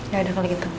ya udah kalau gitu